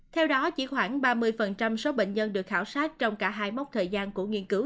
theo đó chỉ khoảng ba mươi số bệnh nhân được khảo sát trong cả hai mốc thời gian của nghiên cứu